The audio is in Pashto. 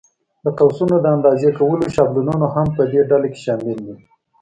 د قوسونو د اندازې کولو شابلونونه هم په دې ډله کې شامل دي.